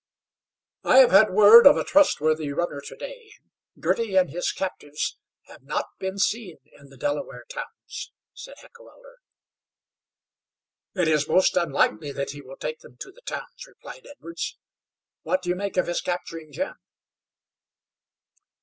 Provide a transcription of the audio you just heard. "I had word from a trustworthy runner to day. Girty and his captives have not been seen in the Delaware towns," said Heckewelder. "It is most unlikely that he will take them to the towns," replied Edwards. "What do you make of his capturing Jim?"